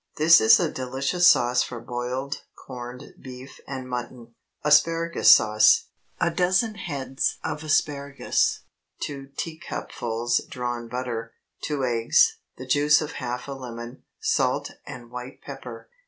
This is a delicious sauce for boiled corned beef and mutton. ASPARAGUS SAUCE. A dozen heads of asparagus. 2 teacupfuls drawn butter. 2 eggs. The juice of half a lemon. Salt and white pepper.